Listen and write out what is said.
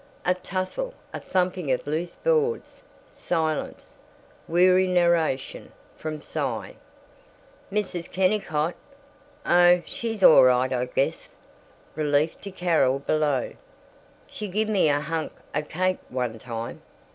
A tussle, a thumping of loose boards, silence, weary narration from Cy: "Mrs. Kennicott? Oh, she's all right, I guess." Relief to Carol, below. "She gimme a hunk o' cake, one time.